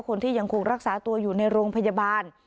คนที่ยังคงรักษาตัวอยู่ในโรงพยาบาล